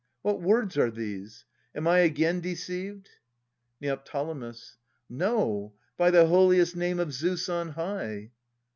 What words are these ? Am I again deceived ? Neo. No, by the holiest name of Zeus on high